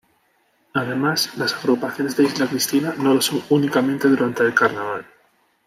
Además, las agrupaciones de Isla Cristina no lo son únicamente durante el carnaval.